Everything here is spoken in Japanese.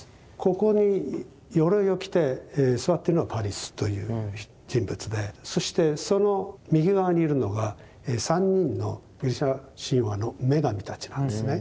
ここによろいを着て座ってるのはパリスという人物でそしてその右側にいるのが３人のギリシャ神話の女神たちなんですね。